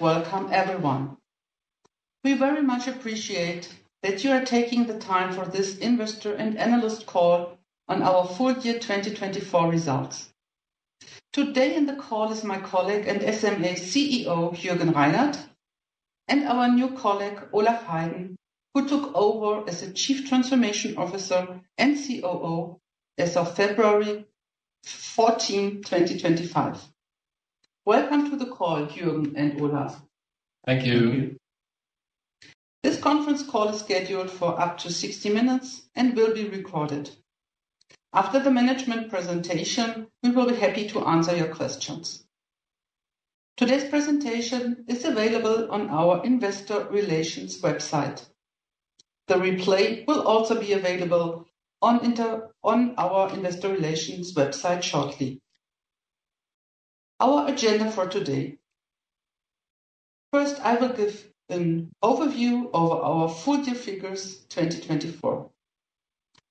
Welcome, everyone. We very much appreciate that you are taking the time for this investor and analyst call on our full year 2024 results. Today in the call is my colleague and SMA CEO, Jürgen Reinert, and our new colleague, Olaf Heyden, who took over as Chief Transformation Officer and COO as of 14 February 2025. Welcome to the call, Jürgen and Olaf. Thank you. This conference call is scheduled for up to 60 minutes and will be recorded. After the management presentation, we will be happy to answer your questions. Today's presentation is available on our Investor Relations website. The replay will also be available on our Investor Relations website shortly. Our agenda for today: First, I will give an overview of our full year figures 2024.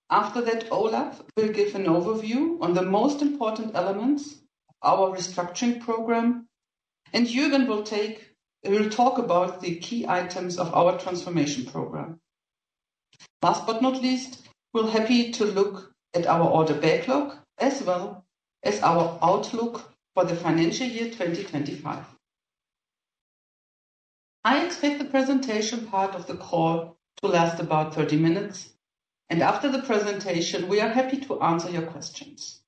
After that, Olaf will give an overview on the most important elements of our restructuring program, and Jürgen will talk about the key items of our transformation program. Last but not least, we're happy to look at our order backlog as well as our outlook for the financial year 2025. I expect the presentation part of the call to last about 30 minutes, and after the presentation, we are happy to answer your questions.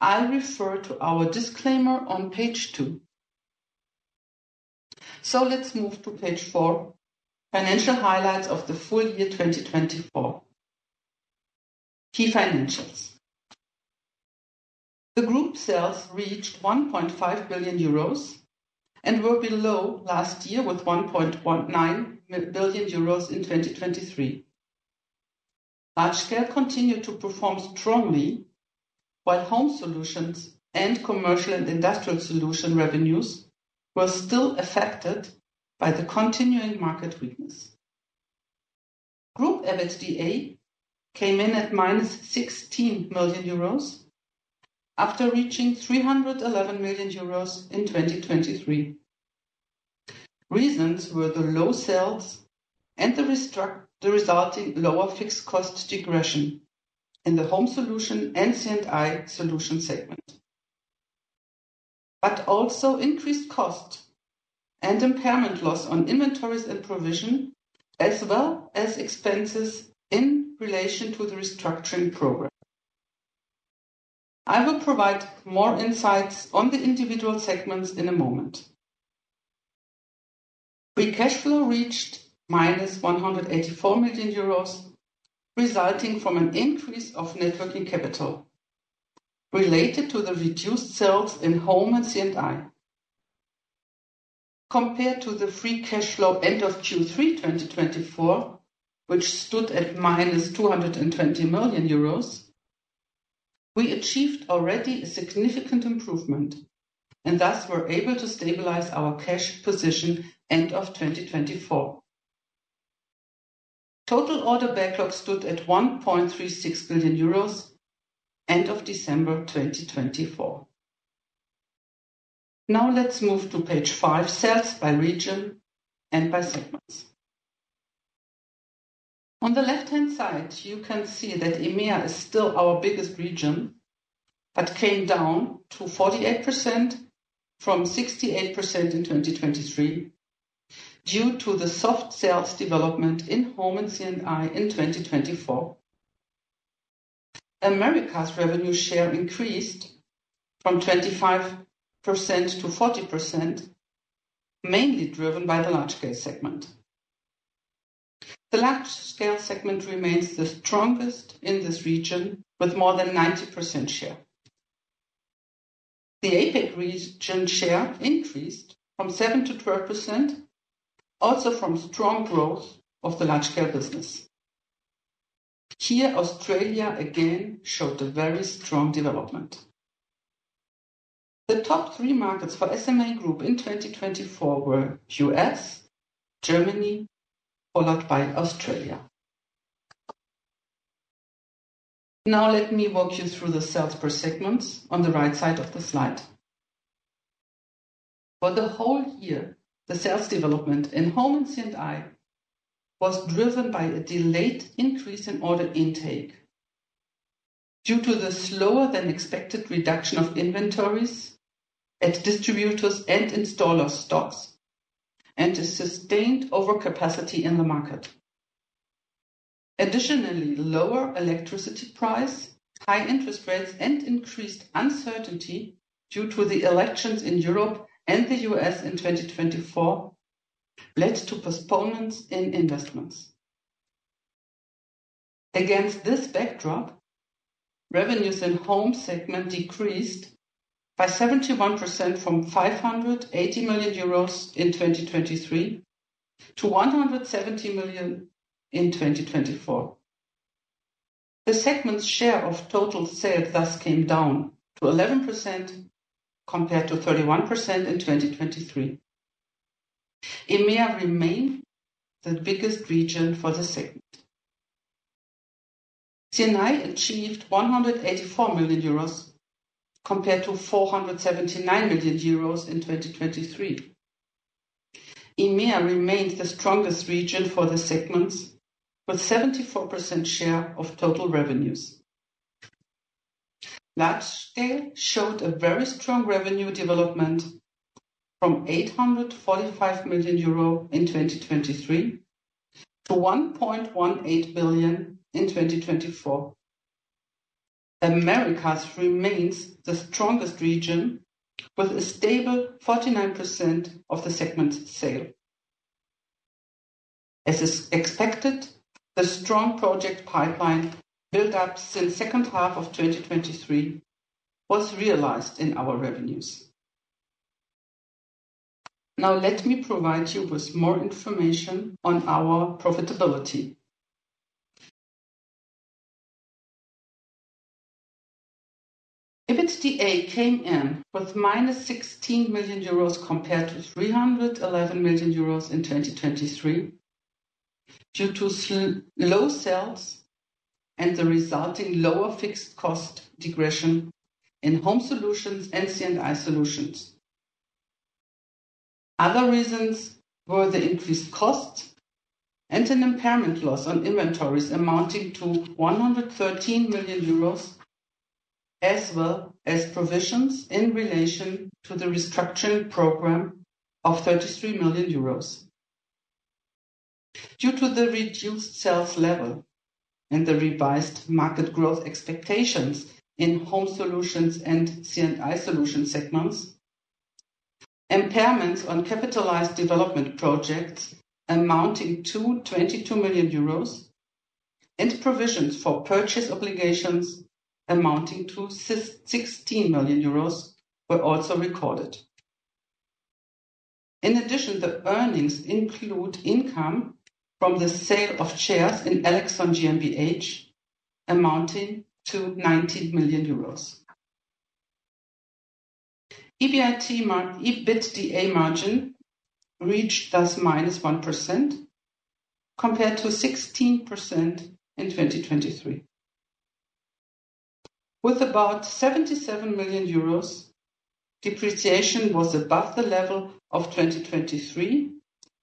I'll refer to our disclaimer on page two. Let's move to page four: Financial highlights of the full year 2024. Key financials: The group sales reached 1.5 billion euros and were below last year with 1.9 billion euros in 2023. Large Scale continued to perform strongly, while Home Solutions and Commercial and Industrial Solutions revenues were still affected by the continuing market weakness. Group EBITDA came in at 16 million euros after reaching 311 million euros in 2023. Reasons were the low sales and the resulting lower fixed cost degression in the Home Solutions and C&I Solutions segment, but also increased costs and impairment loss on inventories and provision, as well as expenses in relation to the restructuring program. I will provide more insights on the individual segments in a moment. Free cash flow reached negative -184 million euros, resulting from an increase of net working capital related to the reduced sales in Home and C&I. Compared to the free cash flow end of Q3 2024, which stood at 220 million euros, we achieved already a significant improvement and thus were able to stabilize our cash position end of 2024. Total order backlog stood at 1.36 billion euros end of December 2024. Now let's move to page five: Sales by region and by segments. On the left-hand side, you can see that EMEA is still our biggest region, but came down to 48% from 68% in 2023 due to the soft sales development in home and C&I in 2024. America's revenue share increased from 25% to 40%, mainly driven by the Large Scale segment. The Large Scale segment remains the strongest in this region with more than 90% share. The APAC region share increased from 7% to 12%, also from strong growth of the Large Scale business. Here, Australia again showed a very strong development. The top three markets for SMA Group in 2024 were US, Germany, followed by Australia. Now let me walk you through the sales per segments on the right side of the slide. For the whole year, the sales development in Home and C&I was driven by a delayed increase in order intake due to the slower than expected reduction of inventories at distributors' and installers' stocks and a sustained overcapacity in the market. Additionally, lower electricity prices, high interest rates, and increased uncertainty due to the elections in Europe and the US in 2024 led to postponements in investments. Against this backdrop, revenues in Home segment decreased by 71% from 580 million euros in 2023 to 170 million in 2024. The segment's share of total sales thus came down to 11% compared to 31% in 2023. EMEA remained the biggest region for the segment. C&I achieved 184 million euros compared to 479 million euros in 2023. EMEA remained the strongest region for the segments with 74% share of total revenues. Large Scale showed a very strong revenue development from 845 million euro in 2023 to 1.18 billion in 2024. America remains the strongest region with a stable 49% of the segment's sale. As expected, the strong project pipeline built up since the second half of 2023 was realized in our revenues. Now let me provide you with more information on our profitability. EBITDA came in with -16 million euros compared to 311 million euros in 2023 due to low sales and the resulting lower fixed cost degression in Home Solutions and C&I Solutions. Other reasons were the increased costs and an impairment loss on inventories amounting to 113 million euros, as well as provisions in relation to the restructuring program of 33 million euros. Due to the reduced sales level and the revised market growth expectations in Home Solutions and C&I Solutions segments, impairments on capitalized development projects amounting to 22 million euros and provisions for purchase obligations amounting to 16 million euros were also recorded. In addition, the earnings include income from the sale of shares in Elexon GmbH, amounting to EUR 19 million. EBITDA margin reached thus -1% compared to 16% in 2023. With about 77 million euros, depreciation was above the level of 2023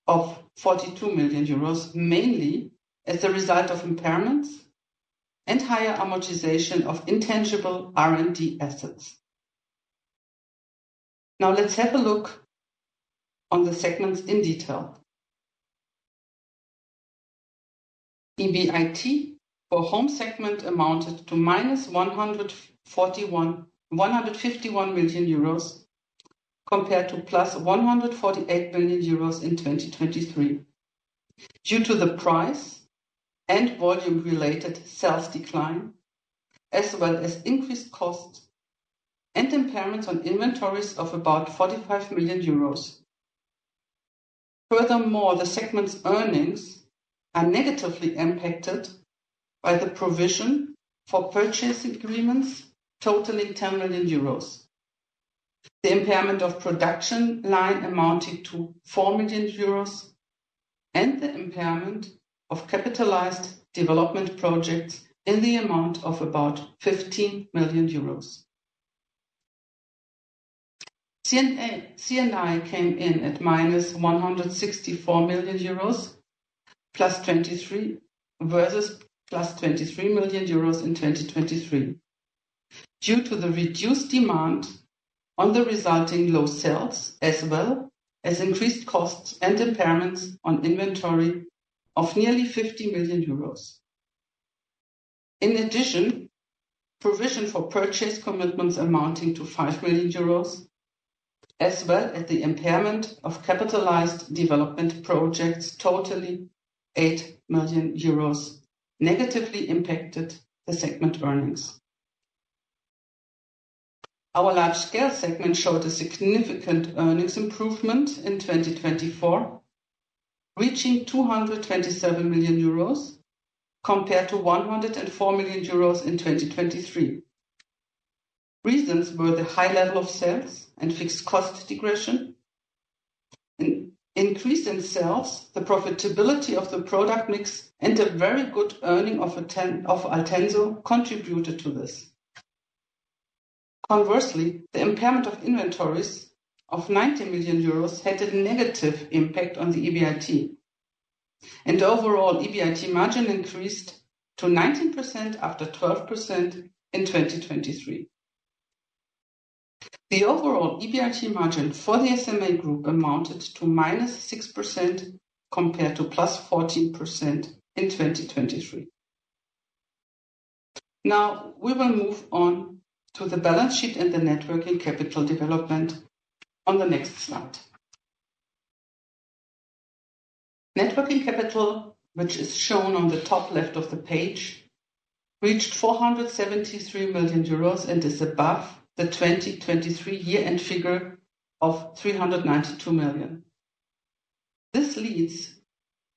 of 42 million euros, mainly as a result of impairments and higher amortization of intangible R&D assets. Now let's have a look on the segments in detail. EBIT for Home segment amounted to -151 million euros compared to plus 148 million euros in 2023 due to the price and volume-related sales decline, as well as increased costs and impairments on inventories of about 45 million euros. Furthermore, the segment's earnings are negatively impacted by the provision for purchase agreements totaling 10 million euros. The impairment of production line amounted to 4 million euros and the impairment of capitalized development projects in the amount of about 15 million euros. C&I came in at -164 million euros, +23 versus +23 million euros in 2023 due to the reduced demand on the resulting low sales, as well as increased costs and impairments on inventory of nearly 50 million euros. In addition, provision for purchase commitments amounting to 5 million euros, as well as the impairment of capitalized development projects totally 8 million euros, negatively impacted the segment earnings. Our Large Scale segment showed a significant earnings improvement in 2024, reaching 227 million euros compared to 104 million euros in 2023. Reasons were the high level of sales and fixed cost degression. An increase in sales, the profitability of the product mix, and a very good earning of Altenso contributed to this. Conversely, the impairment of inventories of 90 million euros had a negative impact on the EBIT, and overall EBIT margin increased to 19% after 12% in 2023. The overall EBIT margin for the SMA Group amounted to -6% compared to +14% in 2023. Now we will move on to the balance sheet and the net working capital development on the next slide. Net working capital, which is shown on the top left of the page, reached 473 million euros and is above the 2023 year-end figure of 392 million. This leads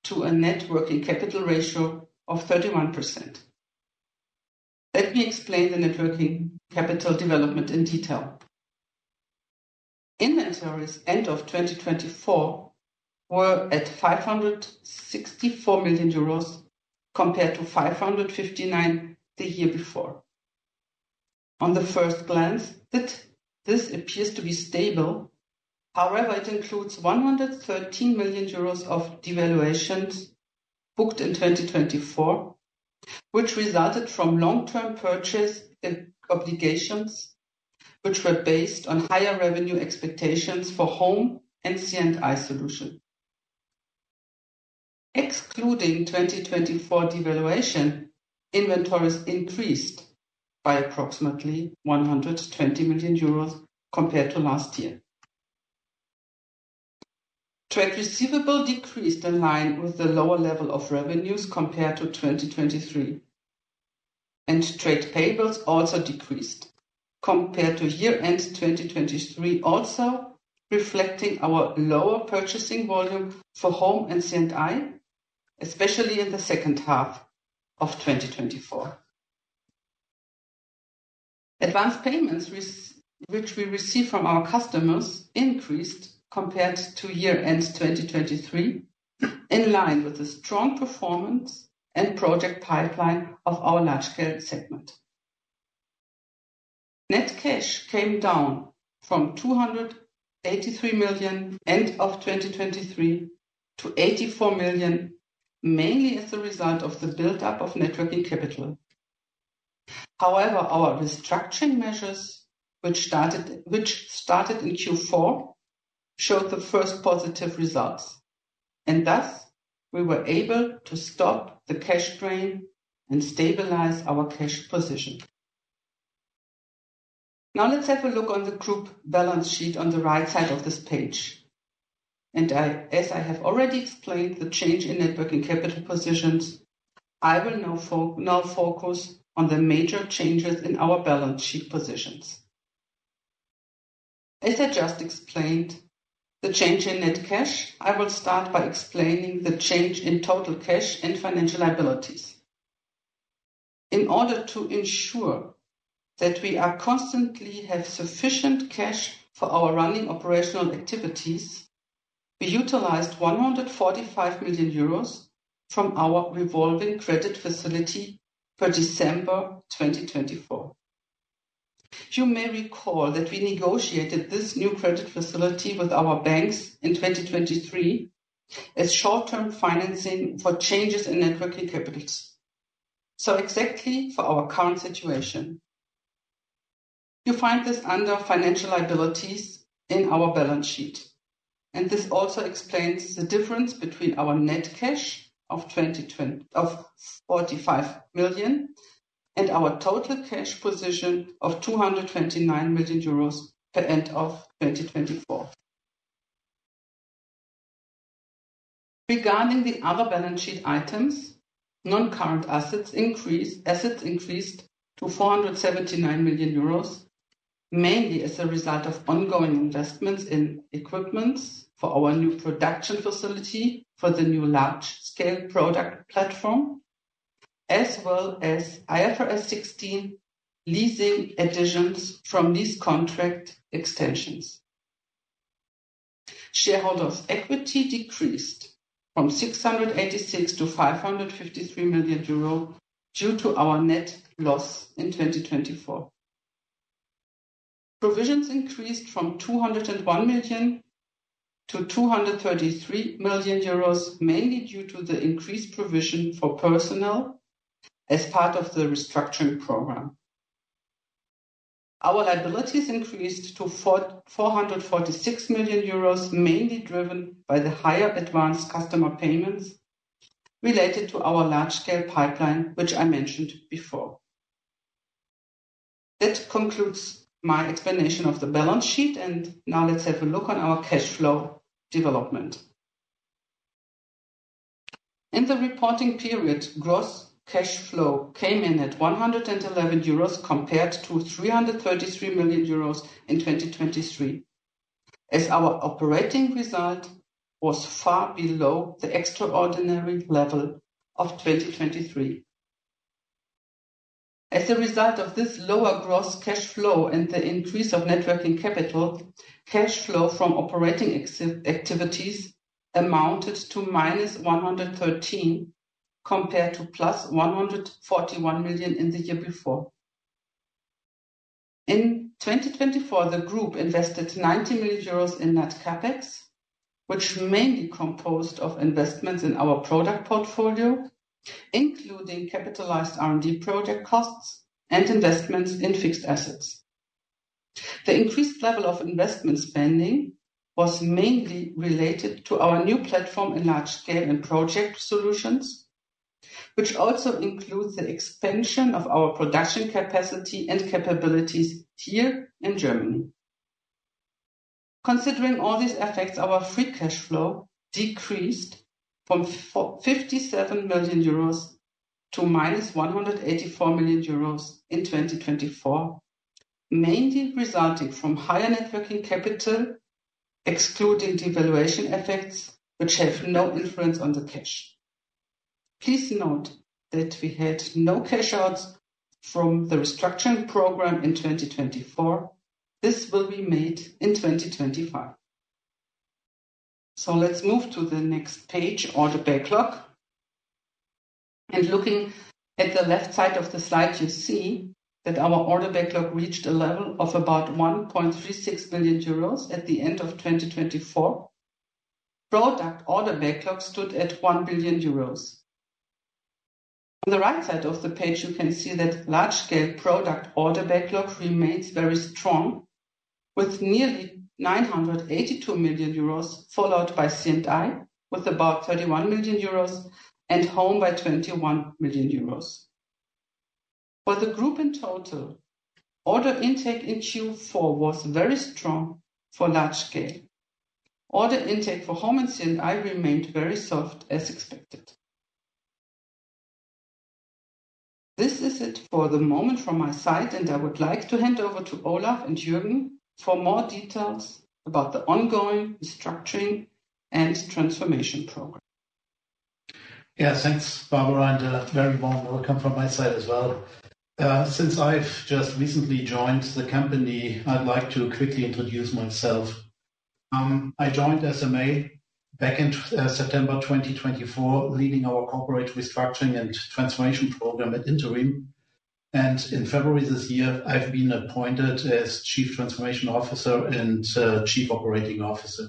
to a net working capital ratio of 31%. Let me explain the net working capital development in detail. Inventories end of 2024 were at 564 million euros compared to 559 million the year before. On the first glance, this appears to be stable. However, it includes 113 million euros of devaluations booked in 2024, which resulted from long-term purchase obligations, which were based on higher revenue expectations for Home and C&I Solutions. Excluding 2024 devaluation, inventories increased by approximately 120 million euros compared to last year. Trade receivable decreased in line with the lower level of revenues compared to 2023, and trade payables also decreased compared to year-end 2023, also reflecting our lower purchasing volume for Home and C&I, especially in the second half of 2024. Advance payments, which we receive from our customers, increased compared to year-end 2023, in line with the strong performance and project pipeline of our Large Scale segment. Net cash came down from 283 million end of 2023 to 84 million, mainly as a result of the build-up of net working capital. However, our restructuring measures, which started in Q4, showed the first positive results, and thus we were able to stop the cash drain and stabilize our cash position. Now let's have a look on the group balance sheet on the right side of this page. As I have already explained the change in net working capital positions, I will now focus on the major changes in our balance sheet positions. As I just explained the change in net cash, I will start by explaining the change in total cash and financial liabilities. In order to ensure that we constantly have sufficient cash for our running operational activities, we utilized 145 million euros from our revolving credit facility per December 2024. You may recall that we negotiated this new credit facility with our banks in 2023 as short-term financing for changes in net working capital, so exactly for our current situation. You find this under financial liabilities in our balance sheet, and this also explains the difference between our net cash of 45 million and our total cash position of 229 million euros per end of 2024. Regarding the other balance sheet items, non-current assets increased to 479 million euros, mainly as a result of ongoing investments in equipment for our new production facility for the new Large Scale product platform, as well as IFRS 16 leasing additions from lease contract extensions. Shareholders' equity decreased from 686 million to 553 million euro due to our net loss in 2024. Provisions increased from 201 million to 233 million euros, mainly due to the increased provision for personnel as part of the restructuring program. Our liabilities increased to 446 million euros, mainly driven by the higher advance customer payments related to our Large Scale pipeline, which I mentioned before. That concludes my explanation of the balance sheet, and now let's have a look on our cash flow development. In the reporting period, gross cash flow came in at 111 million euros compared to 333 million euros in 2023, as our operating result was far below the extraordinary level of 2023. As a result of this lower gross cash flow and the increase of net working capital, cash flow from operating activities amounted to -113 million compared to +141 million in the year before. In 2024, the group invested 90 million euros in net CapEx, which mainly composed of investments in our product portfolio, including capitalized R&D project costs and investments in fixed assets. The increased level of investment spending was mainly related to our new platform in Large Scale and Project Solutions, which also includes the expansion of our production capacity and capabilities here in Germany. Considering all these effects, our free cash flow decreased from 57 million euros to -184 million euros in 2024, mainly resulting from higher net working capital, excluding devaluation effects, which have no influence on the cash. Please note that we had no cash outs from the restructuring program in 2024. This will be made in 2025. Let's move to the next page, order backlog. Looking at the left side of the slide, you see that our order backlog reached a level of about 1.36 billion euros at the end of 2024. Product order backlog stood at 1 billion euros. On the right side of the page, you can see that Large Scale product order backlog remains very strong, with nearly 982 million euros, followed by C&I with about 31 million euros and Home by 21 million euros. For the group in total, order intake in Q4 was very strong for Large Scale. Order intake for Home and C&I remained very soft, as expected. This is it for the moment from my side, and I would like to hand over to Olaf and Jürgen for more details about the ongoing restructuring and transformation program. Yeah, thanks, Barbara, and a very warm welcome from my side as well. Since I've just recently joined the company, I'd like to quickly introduce myself. I joined SMA back in September 2024, leading our corporate restructuring and transformation program at Interim. In February this year, I've been appointed as Chief Transformation Officer and Chief Operating Officer.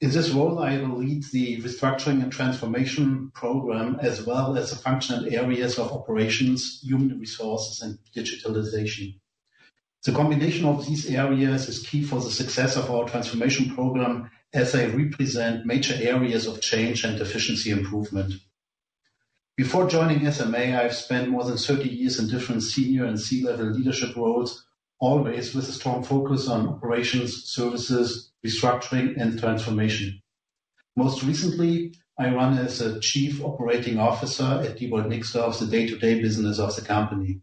In this role, I will lead the restructuring and transformation program, as well as the functional areas of Operations, Human Resources, and Digitalization. The combination of these areas is key for the success of our transformation program, as I represent major areas of change and efficiency improvement. Before joining SMA, I've spent more than 30 years in different senior and C-level leadership roles, always with a strong focus on operations, services, restructuring, and transformation. Most recently, I ran as a Chief Operating Officer at Diebold Nixdorf, the day-to-day business of the company.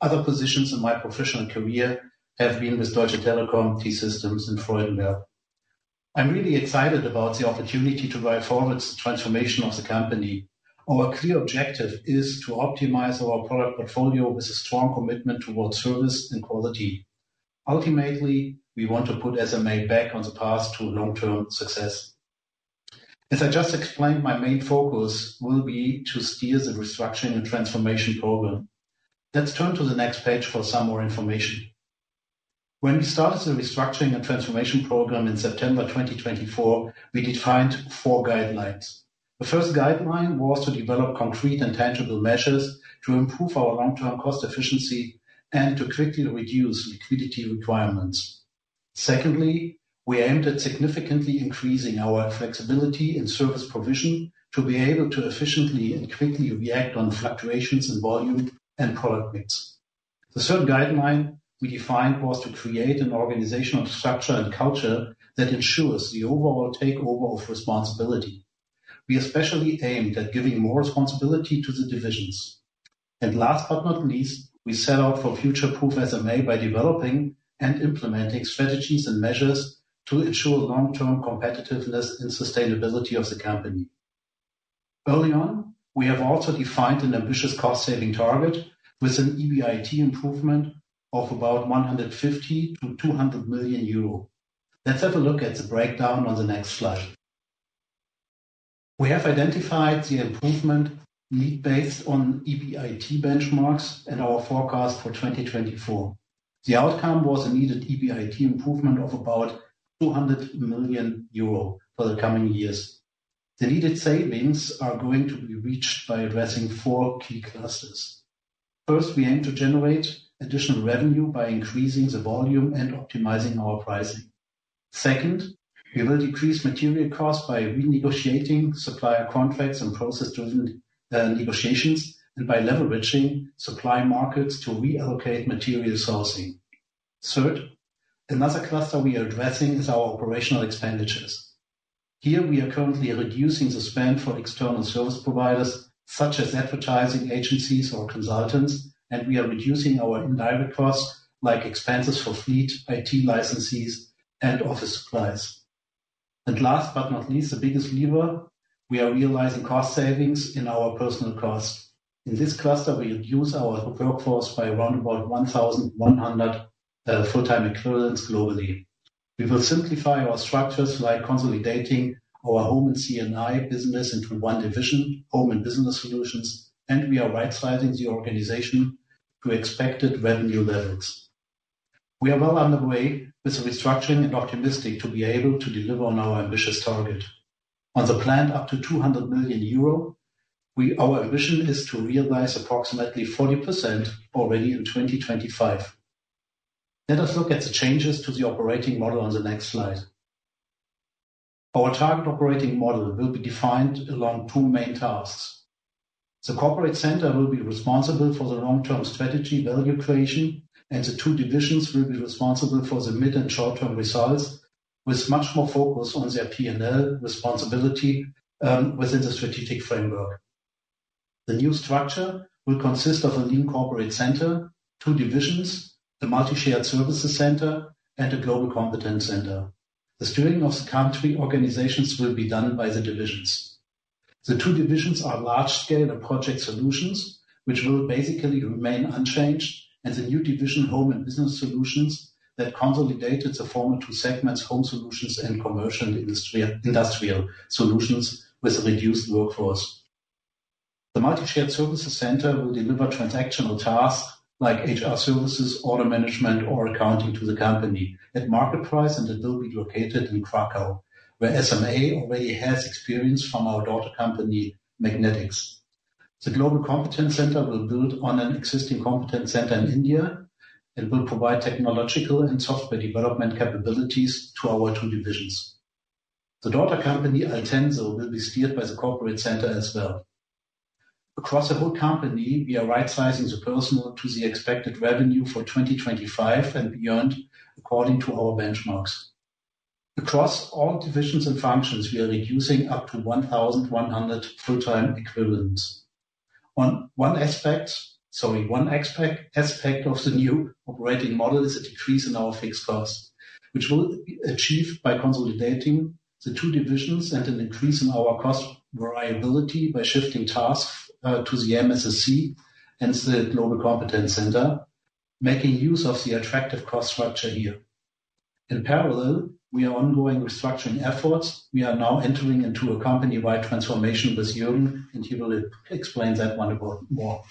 Other positions in my professional career have been with Deutsche Telekom, T-Systems, and Freudenberg. I'm really excited about the opportunity to drive forward the transformation of the company. Our clear objective is to optimize our product portfolio with a strong commitment towards service and quality. Ultimately, we want to put SMA back on the path to long-term success. As I just explained, my main focus will be to steer the restructuring and transformation program. Let's turn to the next page for some more information. When we started the restructuring and transformation program in September 2024, we defined four guidelines. The first guideline was to develop concrete and tangible measures to improve our long-term cost efficiency and to quickly reduce liquidity requirements. Secondly, we aimed at significantly increasing our flexibility in service provision to be able to efficiently and quickly react on fluctuations in volume and product mix. The third guideline we defined was to create an organizational structure and culture that ensures the overall takeover of responsibility. We especially aimed at giving more responsibility to the divisions. Last but not least, we set out for future-proof SMA by developing and implementing strategies and measures to ensure long-term competitiveness and sustainability of the company. Early on, we have also defined an ambitious cost-saving target with an EBIT improvement of about 150 million to 200 million euro. Let's have a look at the breakdown on the next slide. We have identified the improvement need based on EBIT benchmarks and our forecast for 2024. The outcome was a needed EBIT improvement of about 200 million euro for the coming years. The needed savings are going to be reached by addressing four key clusters. First, we aim to generate additional revenue by increasing the volume and optimizing our pricing. Second, we will decrease material costs by renegotiating supplier contracts and process-driven negotiations and by leveraging supply markets to reallocate material sourcing. Third, another cluster we are addressing is our operational expenditures. Here, we are currently reducing the spend for external service providers such as advertising agencies or consultants, and we are reducing our indirect costs like expenses for fleet, IT licenses, and office supplies. Last but not least, the biggest lever, we are realizing cost savings in our personnel costs. In this cluster, we reduce our workforce by around about 1,100 full-time equivalents globally. We will simplify our structures like consolidating our Home and C&I business into one division, Home and Business Solutions, and we are right-sizing the organization to expected revenue levels. We are well on the way with restructuring and optimistic to be able to deliver on our ambitious target. On the planned up to 200 million euro, our ambition is to realize approximately 40% already in 2025. Let us look at the changes to the operating model on the next slide. Our target operating model will be defined along two main tasks. The Corporate Center will be responsible for the long-term strategy value creation, and the two divisions will be responsible for the mid and short-term results, with much more focus on their P&L responsibility within the strategic framework. The new structure will consist of a lean Corporate Center, two divisions, a Multi-Shared Services Center, and a Global Competence Center. The steering of the country organizations will be done by the divisions. The two divisions are Large Scale and Project Solutions, which will basically remain unchanged, and the new division Home and Business Solutions that consolidated the former two segments, Home Solutions and Commercial Industrial Solutions with reduced workforce. The Multi-Shared Services Center will deliver transactional tasks like HR services, order management, or accounting to the company at market price, and it will be located in Kraków, where SMA already has experience from our daughter company Magnetics. The Global Competence Center will build on an existing competence center in India and will provide technological and software development capabilities to our two divisions. The daughter company Altenso will be steered by the Corporate Center as well. Across the whole company, we are right-sizing the personnel to the expected revenue for 2025 and beyond according to our benchmarks. Across all divisions and functions, we are reducing up to 1,100 full-time equivalents. One aspect of the new operating model is a decrease in our fixed costs, which will be achieved by consolidating the two divisions and an increase in our cost variability by shifting tasks to the MSSC and the Global Competence Center, making use of the attractive cost structure here. In parallel, we are ongoing restructuring efforts. We are now entering into a company-wide transformation with Jürgen, and he will explain that one more.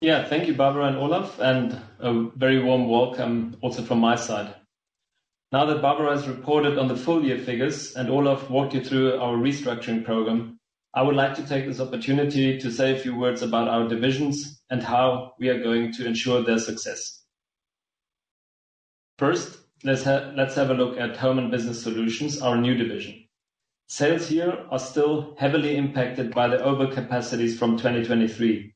Yeah, thank you, Barbara and Olaf, and a very warm welcome also from my side. Now that Barbara has reported on the full year figures and Olaf walked you through our restructuring program, I would like to take this opportunity to say a few words about our divisions and how we are going to ensure their success. First, let's have a look at Home and Business Solutions, our new division. Sales here are still heavily impacted by the overcapacities from 2023.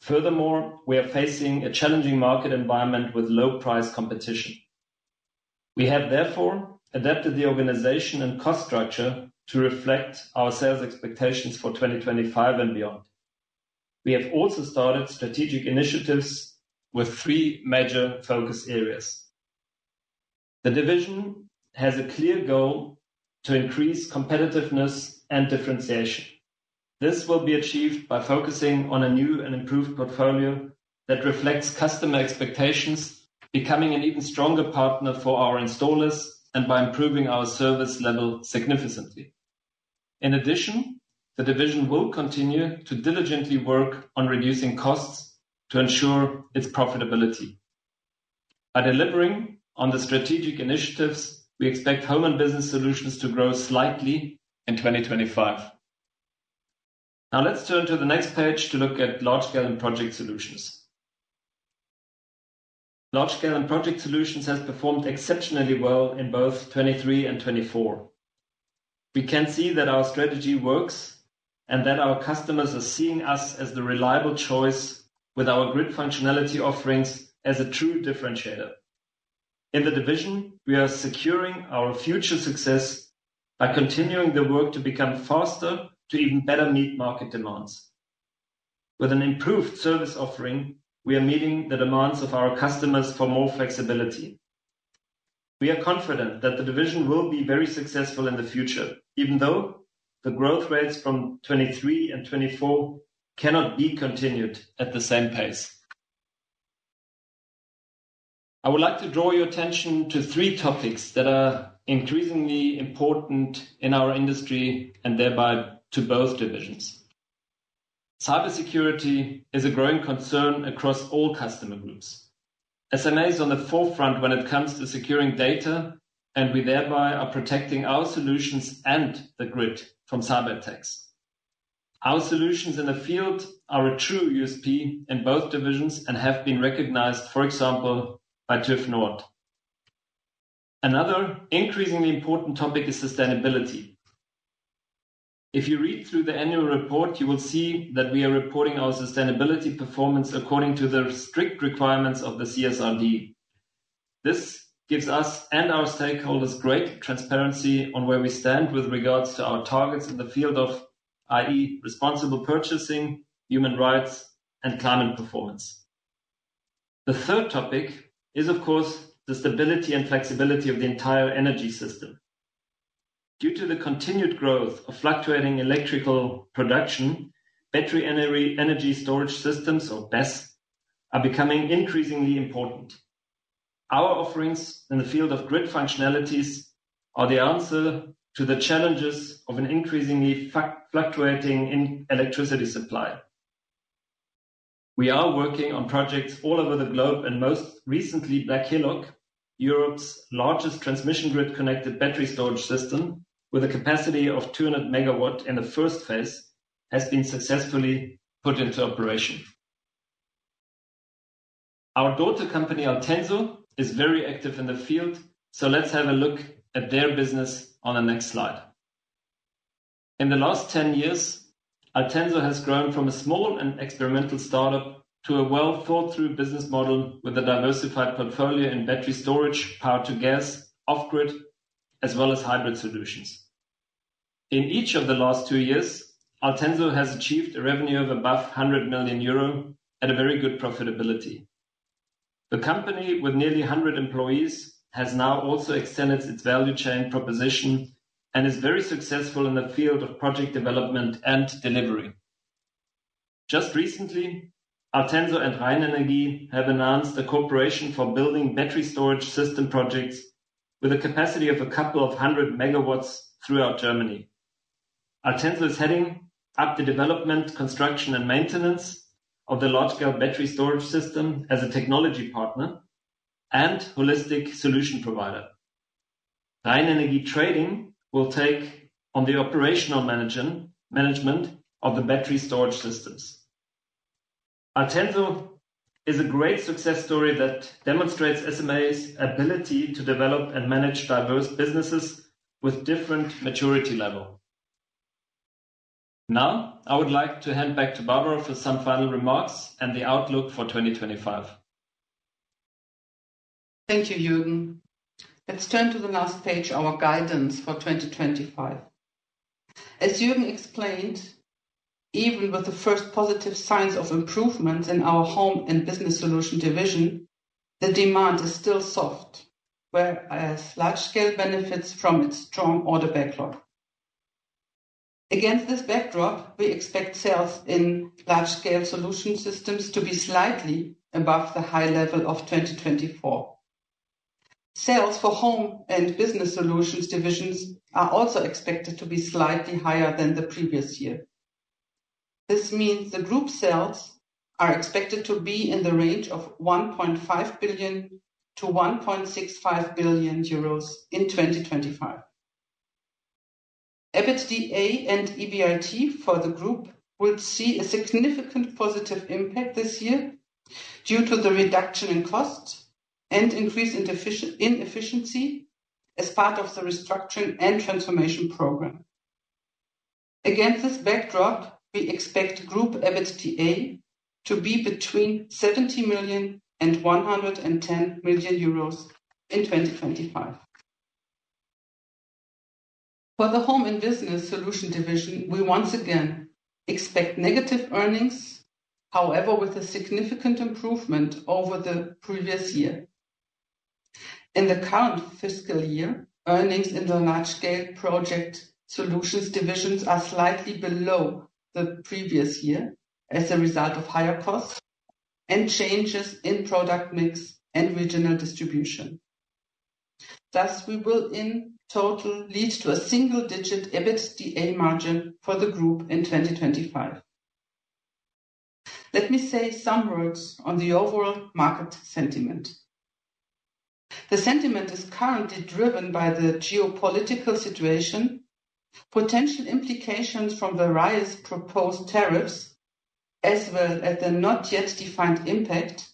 Furthermore, we are facing a challenging market environment with low-price competition. We have therefore adapted the organization and cost structure to reflect our sales expectations for 2025 and beyond. We have also started strategic initiatives with three major focus areas. The division has a clear goal to increase competitiveness and differentiation. This will be achieved by focusing on a new and improved portfolio that reflects customer expectations, becoming an even stronger partner for our installers, and by improving our service level significantly. In addition, the division will continue to diligently work on reducing costs to ensure its profitability. By delivering on the strategic initiatives, we expect Home and Business Solutions to grow slightly in 2025. Now let's turn to the next page to look at Large Scale and Project Solutions. Large Scale and Project Solutions have performed exceptionally well in both 2023 and 2024. We can see that our strategy works and that our customers are seeing us as the reliable choice with our grid functionality offerings as a true differentiator. In the division, we are securing our future success by continuing the work to become faster to even better meet market demands. With an improved service offering, we are meeting the demands of our customers for more flexibility. We are confident that the division will be very successful in the future, even though the growth rates from 2023 and 2024 cannot be continued at the same pace. I would like to draw your attention to three topics that are increasingly important in our industry and thereby to both divisions. Cybersecurity is a growing concern across all customer groups. SMA is on the forefront when it comes to securing data, and we thereby are protecting our solutions and the grid from cyberattacks. Our solutions in the field are a true USP in both divisions and have been recognized, for example, by TÜV Nord. Another increasingly important topic is sustainability. If you read through the annual report, you will see that we are reporting our sustainability performance according to the strict requirements of the CSRD. This gives us and our stakeholders great transparency on where we stand with regards to our targets in the field of i.e. responsible purchasing, human rights, and climate performance. The third topic is, of course, the stability and flexibility of the entire energy system. Due to the continued growth of fluctuating electrical production, battery energy storage systems, or BESS, are becoming increasingly important. Our offerings in the field of grid functionalities are the answer to the challenges of an increasingly fluctuating electricity supply. We are working on projects all over the globe, and most recently, Blackhillock, Europe's largest transmission grid connected battery storage system with a capacity of 200 megawatts in the first phase, has been successfully put into operation. Our daughter company Altenso is very active in the field, so let's have a look at their business on the next slide. In the last 10 years, Altenso has grown from a small and experimental startup to a well-thought-through business model with a diversified portfolio in battery storage, power-to-gas, off-grid, as well as hybrid solutions. In each of the last two years, Altenso has achieved a revenue of above 100 million euro at a very good profitability. The company with nearly 100 employees has now also extended its value chain proposition and is very successful in the field of project development and delivery. Just recently, Altenso and RheinEnergie have announced a cooperation for building battery storage system projects with a capacity of a couple of 100 megawatts throughout Germany. Altenso is heading up the development, construction, and maintenance of the Large Scale battery storage system as a technology partner and holistic solution provider. RheinEnergie Trading will take on the operational management of the battery storage systems. Altenso is a great success story that demonstrates SMA's ability to develop and manage diverse businesses with different maturity levels. Now, I would like to hand back to Barbara for some final remarks and the outlook for 2025. Thank you, Jürgen. Let's turn to the last page, our guidance for 2025. As Jürgen explained, even with the first positive signs of improvements in our Home and Business Solutions division, the demand is still soft, whereas Large Scale benefits from its strong order backlog. Against this backdrop, we expect sales in Large Scale solution systems to be slightly above the high level of 2024. Sales for Home and Business Solutions divisions are also expected to be slightly higher than the previous year. This means the group sales are expected to be in the range of 1.5 billion to 1.65 billion euros in 2025. EBITDA and EBIT for the group will see a significant positive impact this year due to the reduction in costs and increase in efficiency as part of the restructuring and transformation program. Against this backdrop, we expect group EBITDA to be between 70 million and 110 million euros in 2025. For the Home and Business Solutions division, we once again expect negative earnings, however, with a significant improvement over the previous year. In the current fiscal year, earnings in the Large Scale Project Solutions divisions are slightly below the previous year as a result of higher costs and changes in product mix and regional distribution. Thus, we will in total lead to a single-digit EBITDA margin for the group in 2025. Let me say some words on the overall market sentiment. The sentiment is currently driven by the geopolitical situation, potential implications from the IRA's proposed tariffs, as well as the not yet defined impact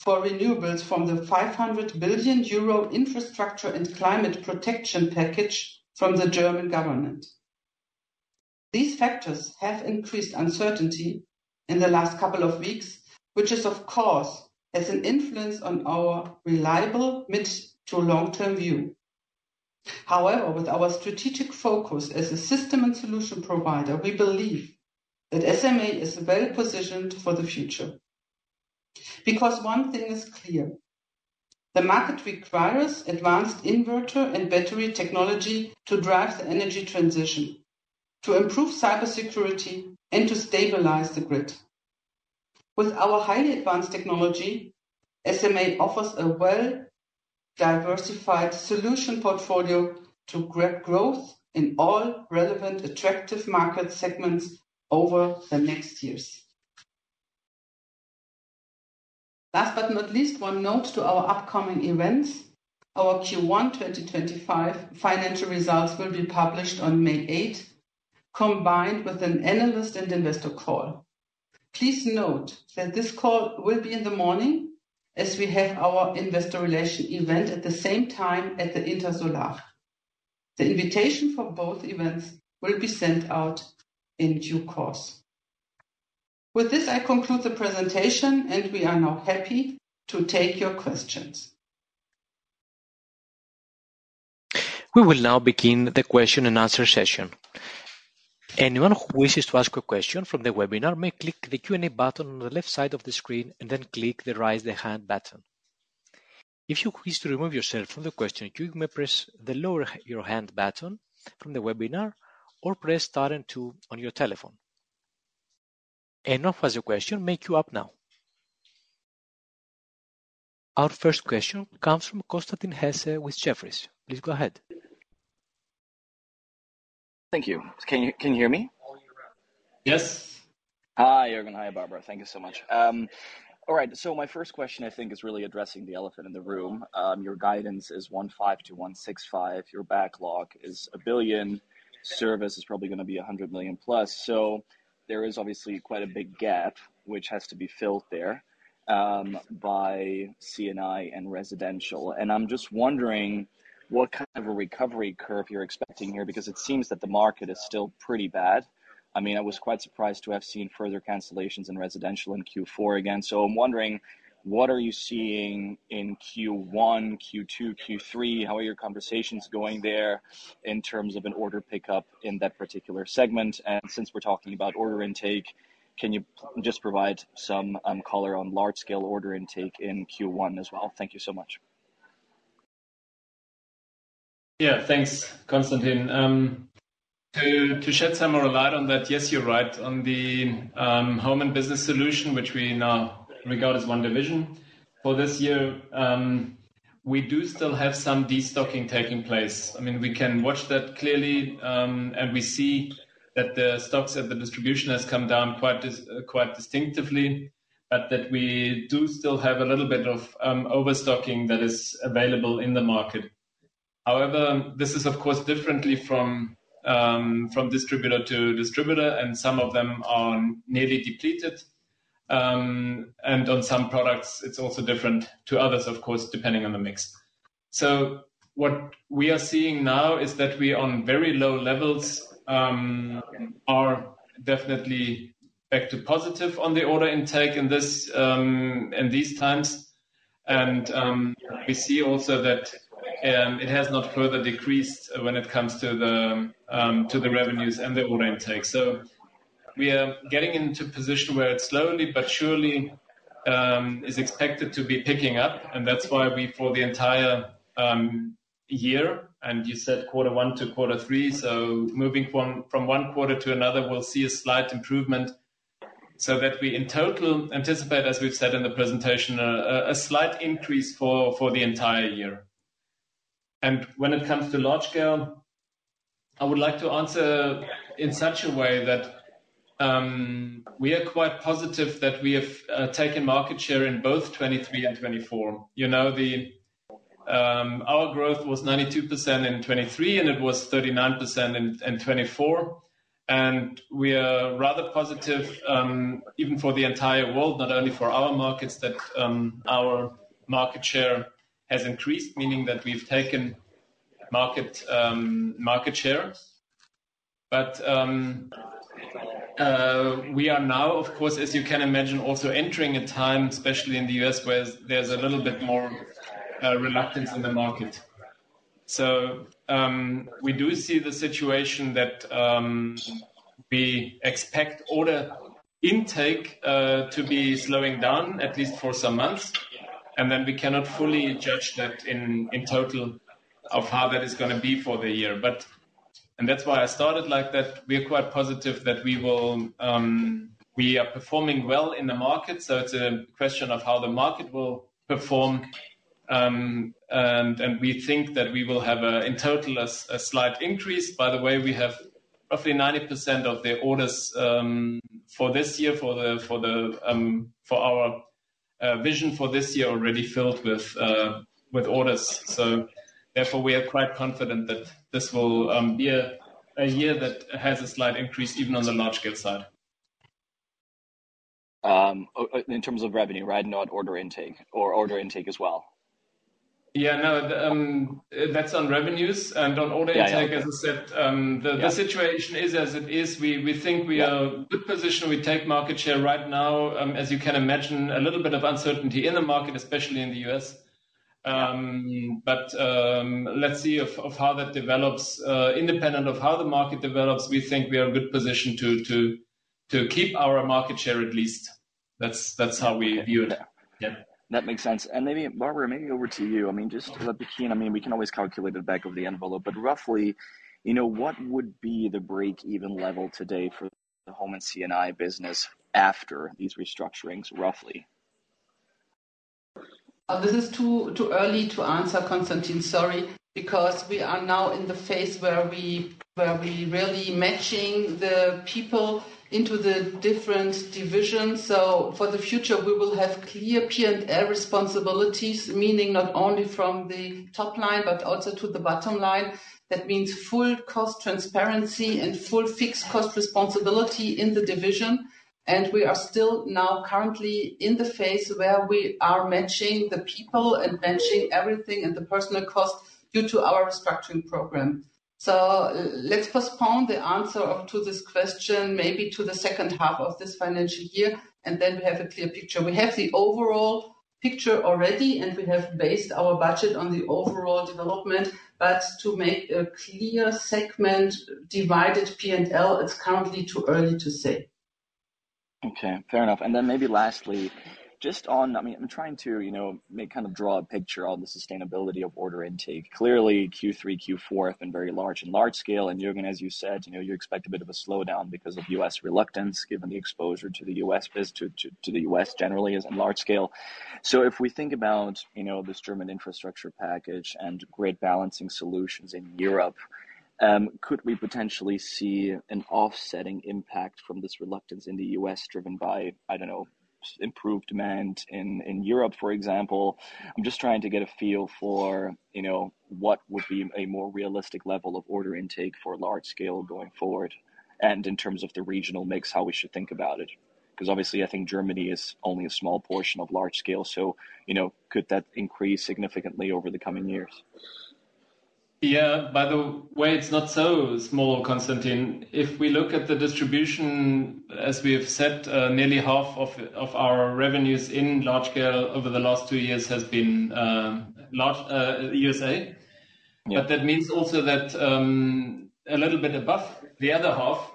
for renewables from the 500 billion euro infrastructure and climate protection package from the German government. These factors have increased uncertainty in the last couple of weeks, which is, of course, has an influence on our reliable mid to long-term view. However, with our strategic focus as a system and solution provider, we believe that SMA is well positioned for the future. Because one thing is clear: the market requires advanced inverter and battery technology to drive the energy transition, to improve cybersecurity, and to stabilize the grid. With our highly advanced technology, SMA offers a well-diversified solution portfolio to grab growth in all relevant attractive market segments over the next years. Last but not least, one note to our upcoming events. Our Q1 2025 financial results will be published on 8 May, combined with an analyst and investor call. Please note that this call will be in the morning as we have our Investor Relation event at the same time at the Intersolar. The invitation for both events will be sent out in due course. With this, I conclude the presentation, and we are now happy to take your questions. We will now begin the Question and Answer session. Anyone who wishes to ask a question from the webinar may click the Q&A button on the left side of the screen and then click the Raise the Hand button. If you wish to remove yourself from the question queue, you may press the Lower Your Hand button from the webinar or press Start and Two on your telephone. Anyone who has a question, make you up now. Our first question comes from Constantin Harald Hesse with Jefferies. Please go ahead. Thank you. Can you hear me? Yes. Hi, Jürgen. Hi, Barbara. Thank you so much. All right, so my first question, I think, is really addressing the elephant in the room. Your guidance is 1.5 billion to 1.65 billion. Your backlog is 1 billion. Service is probably going to be 100+ million. There is obviously quite a big gap, which has to be filled there by C&I and residential. I'm just wondering what kind of a recovery curve you're expecting here, because it seems that the market is still pretty bad. I mean, I was quite surprised to have seen further cancellations in residential in Q4 again. I'm wondering, what are you seeing in Q1, Q2, Q3? How are your conversations going there in terms of an order pickup in that particular segment? Since we're talking about order intake, can you just provide some color on Large Scale order intake in Q1 as well? Thank you so much. Yeah, thanks, Constantin. To shed some more light on that, yes, you're right on the Home and Business Solutions, which we now regard as one division for this year, we do still have some destocking taking place. I mean, we can watch that clearly, and we see that the stocks at the distribution has come down quite distinctively, but that we do still have a little bit of overstocking that is available in the market. However, this is, of course, differently from distributor to distributor, and some of them are nearly depleted. On some products, it's also different to others, of course, depending on the mix. What we are seeing now is that we are on very low levels, are definitely back to positive on the order intake in these times. We see also that it has not further decreased when it comes to the revenues and the order intake. We are getting into a position where it slowly but surely is expected to be picking up. That is why we, for the entire year, and you said quarter one to quarter three, so moving from one quarter to another, will see a slight improvement so that we in total anticipate, as we have said in the presentation, a slight increase for the entire year. When it comes to Large Scale, I would like to answer in such a way that we are quite positive that we have taken market share in both 2023 and 2024. Our growth was 92% in 2023, and it was 39% in 2024. We are rather positive even for the entire world, not only for our markets, that our market share has increased, meaning that we have taken market share. We are now, of course, as you can imagine, also entering a time, especially in the US, where there is a little bit more reluctance in the market. We do see the situation that we expect order intake to be slowing down, at least for some months. We cannot fully judge that in total of how that is going to be for the year. That is why I started like that. We are quite positive that we are performing well in the market. It is a question of how the market will perform. We think that we will have in total a slight increase. By the way, we have roughly 90% of the orders for this year, for our vision for this year, already filled with orders. Therefore, we are quite confident that this will be a year that has a slight increase even on the Large Scale side. In terms of revenue, right? Not order intake or order intake as well. Yeah, no, that is on revenues and on order intake, as I said. The situation is as it is. We think we are in a good position. We take market share right now. As you can imagine, a little bit of uncertainty in the market, especially in the US. Let see how that develops. Independent of how the market develops, we think we are in a good position to keep our market share at least. That is how we view it. Yeah, that makes sense. Maybe, Barbara, maybe over to you. I mean, just to let the key in, I mean, we can always calculate the back of the envelope, but roughly, what would be the break-even level today for the Home and C&I business after these restructurings, roughly? This is too early to answer, Constantin. Sorry, because we are now in the phase where we are really matching the people into the different divisions. For the future, we will have clear P&L responsibilities, meaning not only from the top line, but also to the bottom line. That means full cost transparency and full fixed cost responsibility in the division. We are still now currently in the phase where we are matching the people and matching everything and the personnel cost due to our restructuring program. Let's postpone the answer to this question maybe to the second half of this financial year, and then we have a clear picture. We have the overall picture already, and we have based our budget on the overall development. To make a clear segment, divided P&L, it's currently too early to say. Okay, fair enough. Maybe lastly, just on, I mean, I'm trying to kind of draw a picture on the sustainability of order intake. Clearly, Q3, Q4 have been very large in Large Scale. And Jürgen, as you said, you expect a bit of a slowdown because of US reluctance, given the exposure to the US, based to the US generally as in Large Scale. If we think about this German infrastructure package and grid balancing solutions in Europe, could we potentially see an offsetting impact from this reluctance in the US driven by, I don't know, improved demand in Europe, for example? I'm just trying to get a feel for what would be a more realistic level of order intake for Large Scale going forward, and in terms of the regional mix, how we should think about it. Because obviously, I think Germany is only a small portion of Large Scale. Could that increase significantly over the coming years? Yeah, by the way, it's not so small, Constantin. If we look at the distribution, as we have said, nearly half of our revenues in Large Scale over the last two years has been US. That means also that a little bit above the other half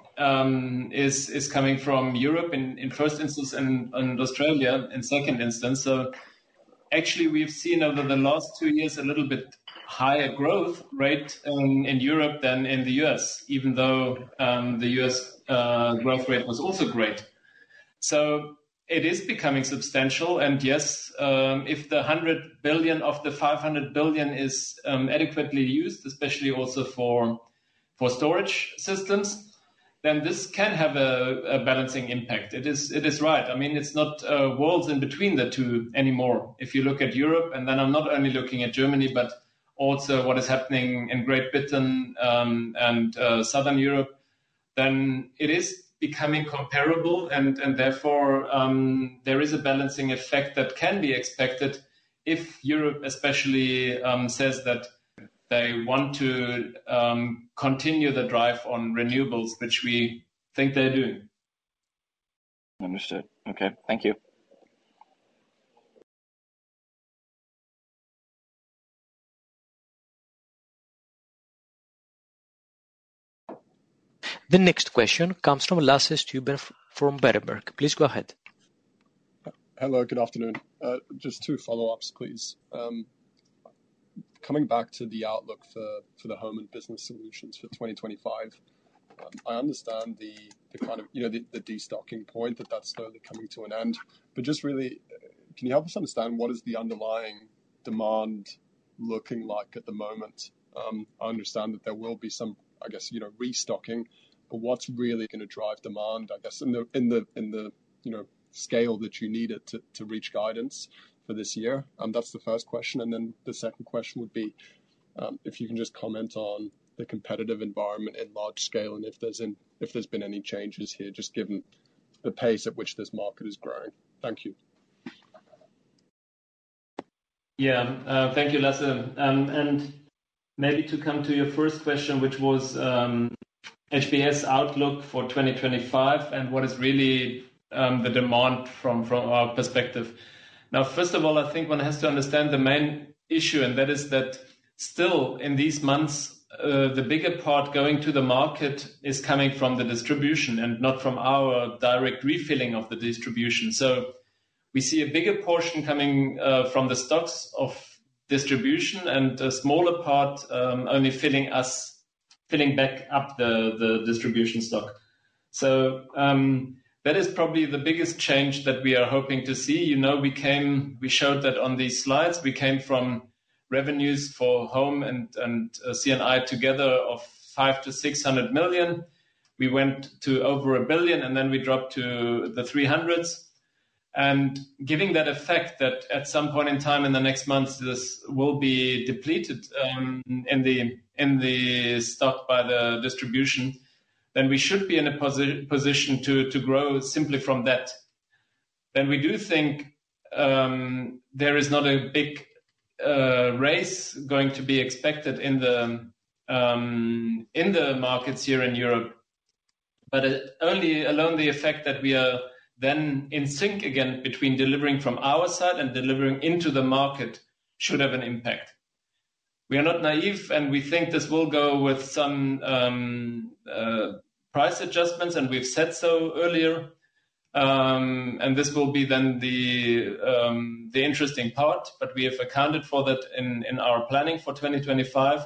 is coming from Europe in first instance and in Australia in second instance. Actually, we've seen over the last two years a little bit higher growth rate in Europe than in the US, even though the US growth rate was also great. It is becoming substantial. Yes, if the $100 billion of the $500 billion is adequately used, especially also for storage systems, then this can have a balancing impact. It is right. I mean, it's not worlds in between the two anymore. If you look at Europe, and then I'm not only looking at Germany, but also what is happening in Great Britain and Southern Europe, it is becoming comparable. Therefore, there is a balancing effect that can be expected if Europe, especially, says that they want to continue the drive on renewables, which we think they're doing. Understood. Okay, thank you. The next question comes from Lasse Stüben from Berenberg. Please go ahead. Hello, good afternoon. Just two follow-ups, please. Coming back to the outlook for the Home and Business Solutions for 2025, I understand the kind of the destocking point that that's slowly coming to an end. Just really, can you help us understand what is the underlying demand looking like at the moment? I understand that there will be some, I guess, restocking, but what is really going to drive demand, I guess, in the scale that you need it to reach guidance for this year? That is the first question. The second question would be if you can just comment on the competitive environment in Large Scale and if there has been any changes here, just given the pace at which this market is growing. Thank you. Yeah, thank you, Lasse. Maybe to come to your first question, which was HBS outlook for 2025 and what is really the demand from our perspective. Now, first of all, I think one has to understand the main issue, and that is that still in these months, the bigger part going to the market is coming from the distribution and not from our direct refilling of the distribution. We see a bigger portion coming from the stocks of distribution and a smaller part only filling back up the distribution stock. That is probably the biggest change that we are hoping to see. We showed that on these slides. We came from revenues for Home and C&I together of 500 million to 600 million. We went to over 1 billion, and then we dropped to the 300 million range. Giving that effect that at some point in time in the next months, this will be depleted in the stock by the distribution, we should be in a position to grow simply from that. We do think there is not a big race going to be expected in the markets here in Europe, but only alone the effect that we are then in sync again between delivering from our side and delivering into the market should have an impact. We are not naive, and we think this will go with some price adjustments, and we have said so earlier. This will be the interesting part, but we have accounted for that in our planning for 2025.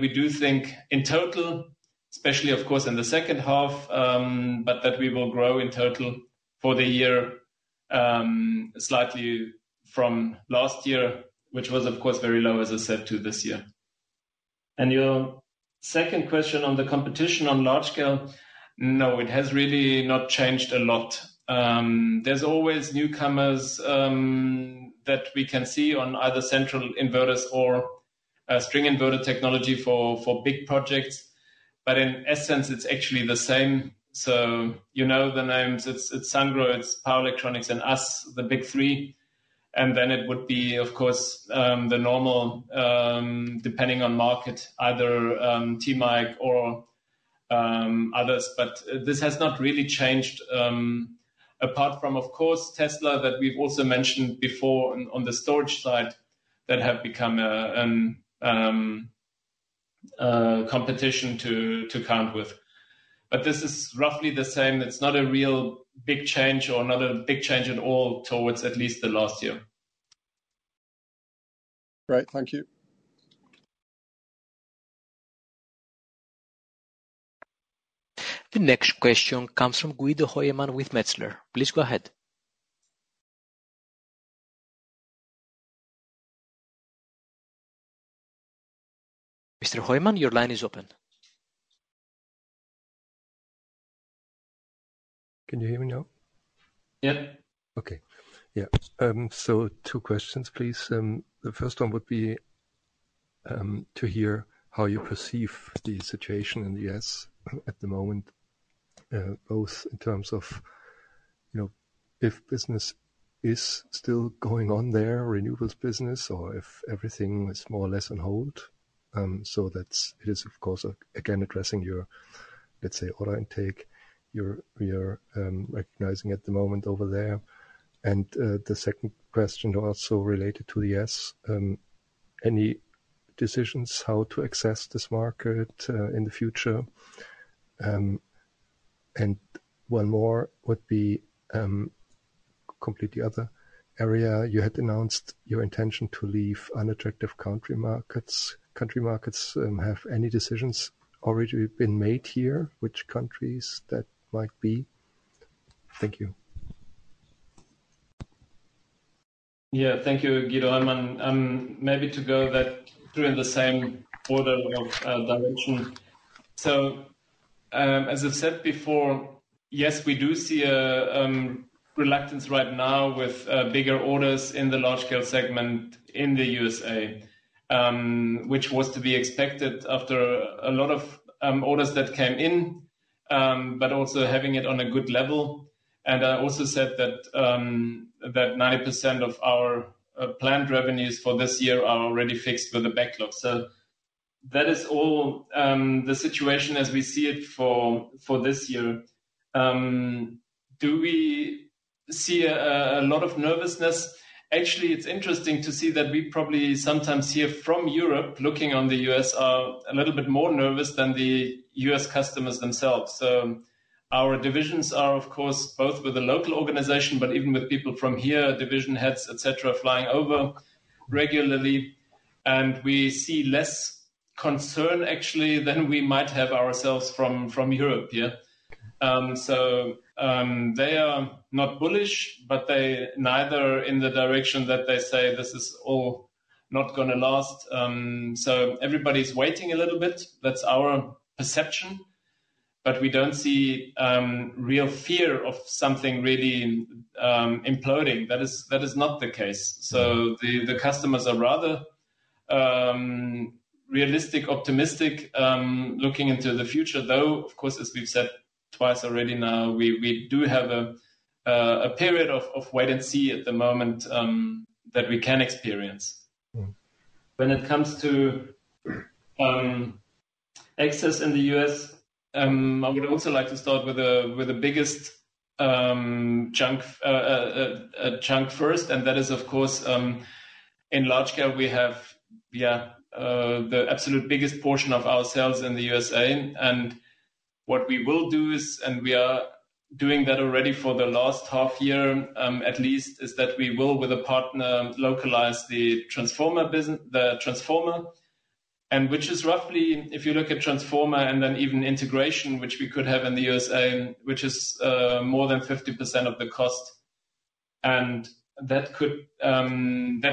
We do think in total, especially, of course, in the second half, that we will grow in total for the year slightly from last year, which was, of course, very low, as I said, to this year. Your second question on the competition on Large Scale, no, it has really not changed a lot. There's always newcomers that we can see on either central inverters or string inverter technology for big projects. In essence, it's actually the same. You know the names. It's Sungrow, it's Power Electronics, and us, the big three. Then it would be, of course, the normal, depending on market, either TMEIC or others. This has not really changed apart from, of course, Tesla that we've also mentioned before on the storage side that have become a competition to count with. This is roughly the same. It's not a real big change or not a big change at all towards at least the last year. Right, thank you. The next question comes from Guido Hoymann with Metzler. Please go ahead. Mr. Hoymann, your line is open. Can you hear me now? Yeah. Okay. Yeah. Two questions, please. The first one would be to hear how you perceive the situation in the US at the moment, both in terms of if business is still going on there, renewables business, or if everything is more or less on hold. It is, of course, again addressing your, let's say, order intake, your recognizing at the moment over there. The second question also related to the US, any decisions how to access this market in the future? One more would be a completely other area. You had announced your intention to leave unattractive country markets. Country markets, have any decisions already been made here? Which countries that might be? Thank you. Yeah, thank you, Guido Hoymann. Maybe to go that through in the same order of direction. As I have said before, yes, we do see a reluctance right now with bigger orders in the Large Scale segment in the US, which was to be expected after a lot of orders that came in, but also having it on a good level. I also said that 90% of our planned revenues for this year are already fixed with a backlog. That is all the situation as we see it for this year. Do we see a lot of nervousness? Actually, it is interesting to see that we probably sometimes hear from Europe looking on the US are a little bit more nervous than the US customers themselves. Our divisions are, of course, both with a local organization, but even with people from here, division heads, etc., flying over regularly. We see less concern, actually, than we might have ourselves from Europe here. They are not bullish, but they are neither in the direction that they say this is all not going to last. Everybody is waiting a little bit. That is our perception. We do not see real fear of something really imploding. That is not the case. The customers are rather realistic, optimistic, looking into the future, though, of course, as we have said twice already now, we do have a period of wait and see at the moment that we can experience. When it comes to access in the US, I would also like to start with the biggest chunk first. That is, of course, in Large Scale, we have the absolute biggest portion of our sales in the US. What we will do is, and we are doing that already for the last half year at least, is that we will, with a partner, localize the transformer business, the transformer, which is roughly, if you look at transformer and then even integration, which we could have in the US, which is more than 50% of the cost. That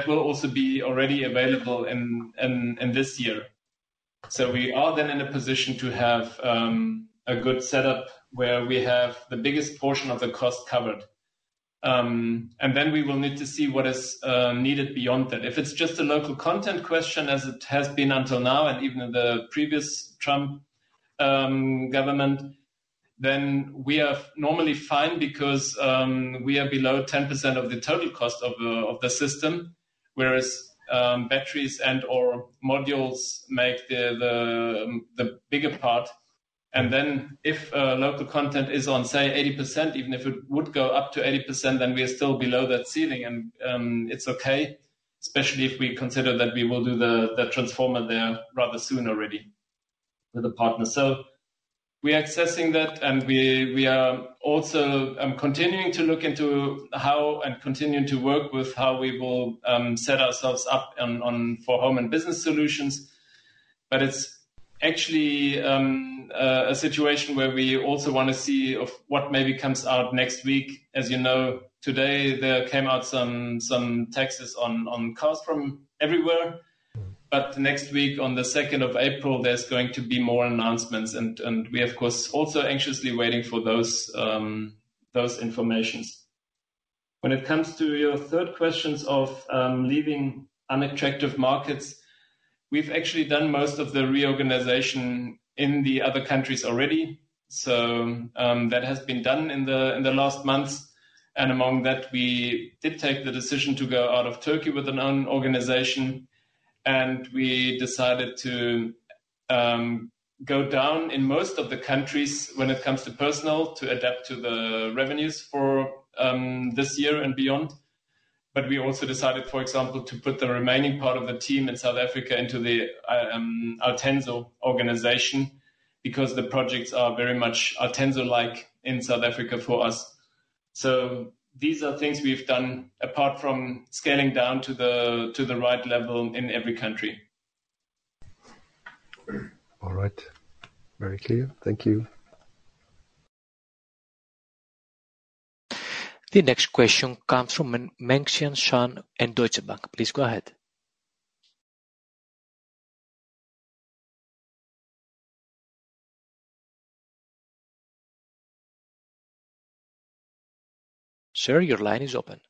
will also be already available in this year. We are then in a position to have a good setup where we have the biggest portion of the cost covered. We will need to see what is needed beyond that. If it is just a local content question, as it has been until now, and even the previous Trump government, then we are normally fine because we are below 10% of the total cost of the system, whereas batteries and/or modules make the bigger part. If local content is on, say, 80%, even if it would go up to 80%, we are still below that ceiling. It is okay, especially if we consider that we will do the transformer there rather soon already with a partner. We are accessing that, and we are also continuing to look into how and continuing to work with how we will set ourselves up for Home and Business Solutions. It is actually a situation where we also want to see what maybe comes out next week. As you know, today, there came out some taxes on cars from everywhere. Next week, on the 2 of April, there is going to be more announcements. We, of course, are also anxiously waiting for those informations. When it comes to your third questions of leaving unattractive markets, we've actually done most of the reorganization in the other countries already. That has been done in the last months. Among that, we did take the decision to go out of Turkey with a Non-Organization. We decided to go down in most of the countries when it comes to personnel to adapt to the revenues for this year and beyond. We also decided, for example, to put the remaining part of the team in South Africa into the Altenso organization because the projects are very much Altenso-like in South Africa for us. These are things we've done apart from scaling down to the right level in every country. All right. Very clear. Thank you. The next question comes from Mengtian Cao and Deutsche Bank. Please go ahead. Sir, your line is open.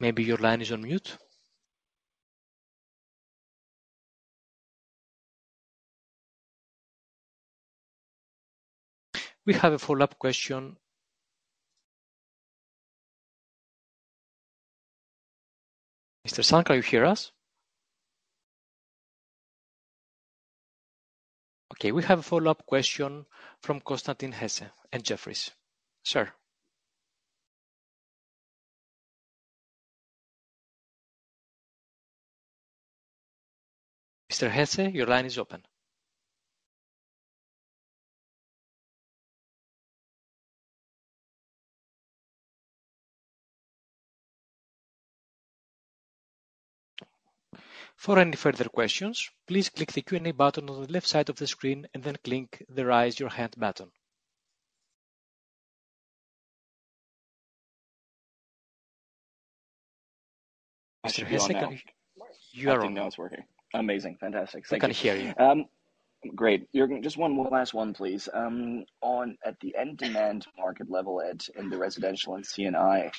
Maybe your line is on mute. We have a follow-up question. Mr. Sunker, you hear us? Okay. We have a follow-up question from Constantin Harald Hesse and Jefferies. Sir. Mr. Hesse, your line is open. For any further questions, please click the Q&A button on the left side of the screen and then click the Raise Your Hand button. Mr. Hesse, you are on. I think that was working. Amazing. Fantastic. Thank you. I can hear you. Great. Just one last one, please. At the end demand market level in the residential and C&I,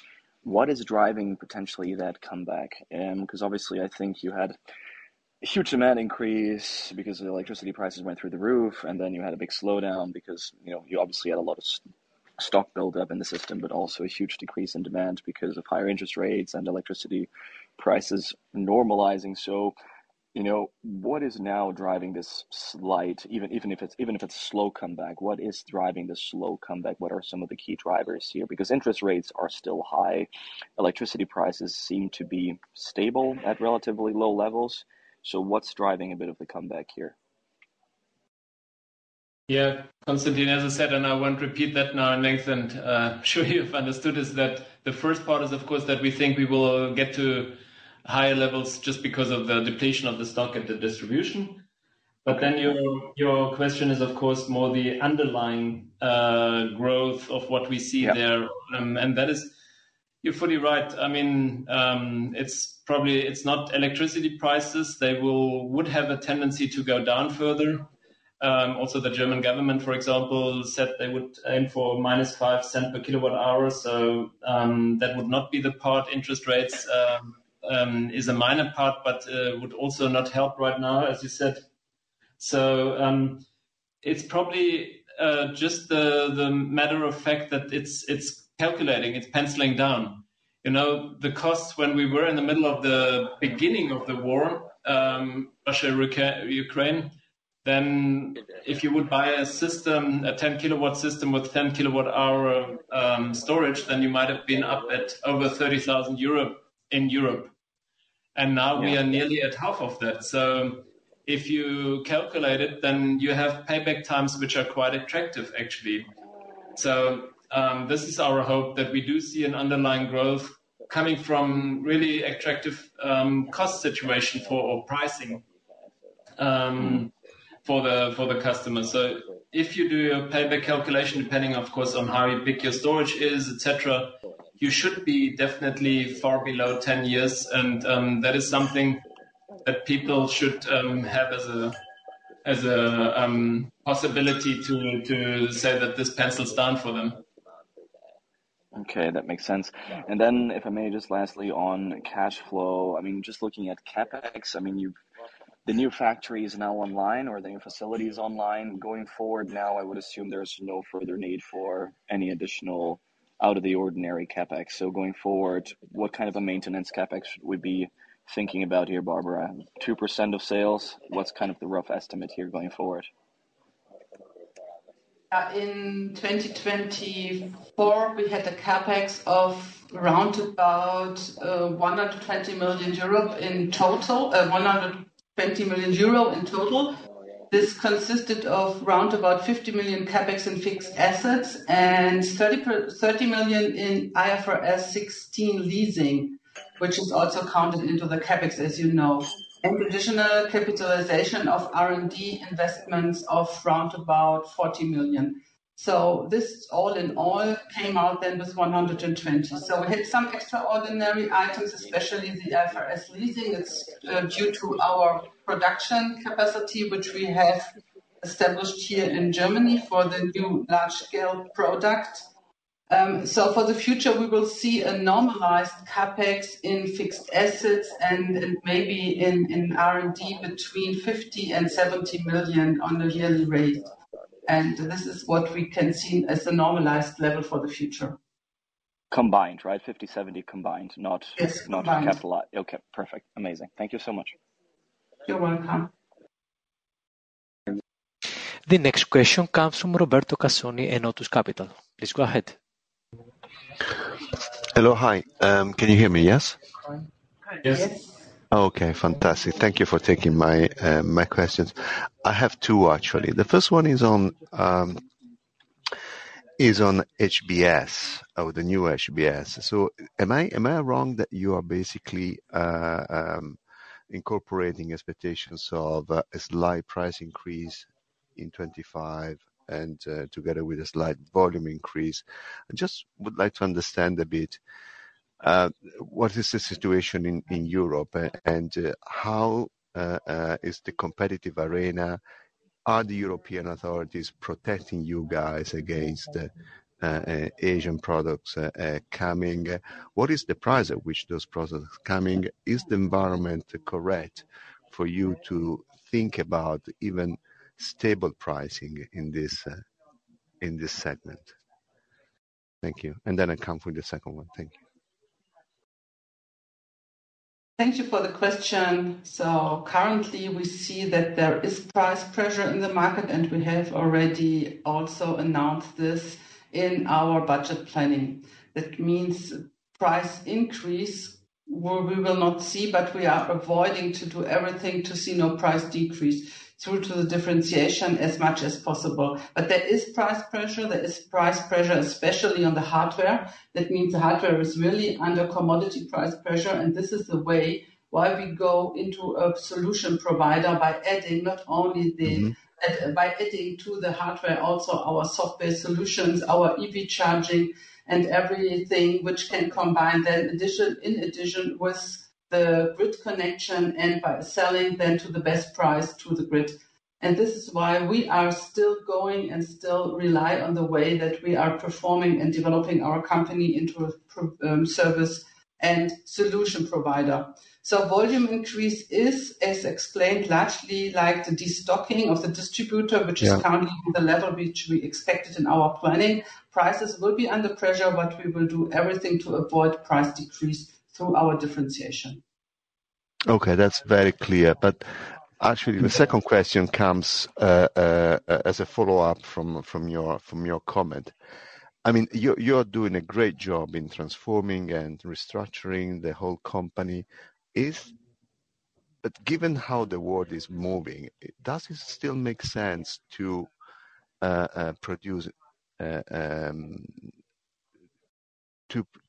what is driving potentially that comeback? Because obviously, I think you had a huge demand increase because the electricity prices went through the roof, and then you had a big slowdown because you obviously had a lot of stock buildup in the system, but also a huge decrease in demand because of higher interest rates and electricity prices normalizing. What is now driving this slight, even if it's a slow comeback? What is driving the slow comeback? What are some of the key drivers here? Because interest rates are still high, electricity prices seem to be stable at relatively low levels. What's driving a bit of the comeback here? Yeah. Constantin, as I said, and I won't repeat that now in length, and I'm sure you've understood this, that the first part is, of course, that we think we will get to higher levels just because of the depletion of the stock at the distribution. Your question is, of course, more the underlying growth of what we see there. That is, you're fully right. I mean, it's not electricity prices. They would have a tendency to go down further. Also, the German government, for example, said they would aim for -5 cents per kilowatt hour. That would not be the part. Interest rates is a minor part, but would also not help right now, as you said. It's probably just the matter of fact that it's calculating. It's penciling down. The costs when we were in the middle of the beginning of the war, Russia-Ukraine, then if you would buy a system, a 10-kilowatt system with 10-kilowatt hour storage, then you might have been up at over 30,000 euro in Europe. Now we are nearly at half of that. If you calculate it, then you have payback times which are quite attractive, actually. This is our hope that we do see an underlying growth coming from really attractive cost situation for pricing for the customers. If you do your payback calculation, depending, of course, on how you pick your storage is, etc., you should be definitely far below 10 years. That is something that people should have as a possibility to say that this pencils down for them. Okay. That makes sense. If I may, just lastly on cash flow. I mean, just looking at CapEx, I mean, the new factory is now online or the new facility is online. Going forward now, I would assume there's no further need for any additional out-of-the-ordinary CapEx. Going forward, what kind of a maintenance CapEx would we be thinking about here, Barbara? 2% of sales, what's kind of the rough estimate here going forward? In 2024, we had a CapEx of around about 120 million euro in total, 120 million euro in total. This consisted of around about 50 million CapEx in fixed assets and 30 million in IFRS 16 leasing, which is also counted into the CapEx, as you know. Additional capitalization of R&D investments of around about 40 million. This all in all came out then with 120 million. We had some extraordinary items, especially the IFRS leasing. It's due to our production capacity, which we have established here in Germany for the new Large Scale product. For the future, we will see a normalized CapEx in fixed assets and maybe in R&D between 50 million and 70 million on a yearly rate. This is what we can see as a normalized level for the future. Combined, right? 50 million, 70 million combined, not capitalized. Okay. Perfect. Amazing. Thank you so much. You're welcome. The next question comes from Roberto Casoni and Otus Capital. Please go ahead. Hello. Hi. Can you hear me? Yes? Yes. Okay. Fantastic. Thank you for taking my questions. I have two, actually. The first one is on HBS, the new HBS. Am I wrong that you are basically incorporating expectations of a slight price increase in 2025 and together with a slight volume increase? I just would like to understand a bit. What is the situation in Europe and how is the competitive arena? Are the European authorities protecting you guys against Asian products coming? What is the price at which those products are coming? Is the environment correct for you to think about even stable pricing in this segment? Thank you. I come for the second one. Thank you. Thank you for the question. Currently, we see that there is price pressure in the market, and we have already also announced this in our budget planning. That means price increase we will not see, but we are avoiding to do everything to see no price decrease through to the differentiation as much as possible. There is price pressure. There is price pressure, especially on the hardware. That means the hardware is really under commodity price pressure. This is the way why we go into a solution provider by adding not only the, by adding to the hardware, also our software solutions, our EV charging, and everything which can combine then in addition with the grid connection and by selling then to the best price to the grid. This is why we are still going and still rely on the way that we are performing and developing our company into a service and solution provider. Volume increase is, as explained, largely like the destocking of the distributor, which is currently at the level which we expected in our planning. Prices will be under pressure, but we will do everything to avoid price decrease through our differentiation. Okay. That's very clear. Actually, the second question comes as a follow-up from your comment. I mean, you're doing a great job in transforming and restructuring the whole company. Given how the world is moving, does it still make sense to